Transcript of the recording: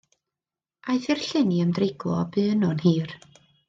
Aeth i'r llyn i ymdreiglo, a bu yno'n hir.